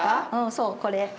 そうこれ。